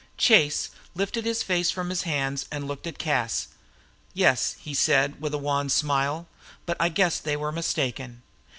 Chase lifted his face from his hands and looked at Cas. "Yes," he said, with a wan smile, "but I guess they were mistaken."